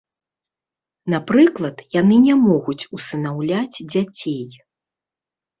Напрыклад, яны не могуць усынаўляць дзяцей.